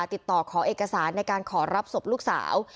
ติดต่อขอเอกสารในการขอรับศพลูกสาว